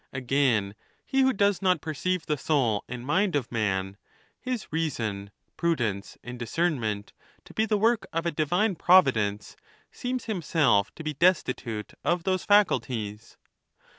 LIX. Again, he who does not perceive the soul and mind of man, his reason, prudence, and discernment, to be the work of a divine providence, seems himself to be destitute of those faculties.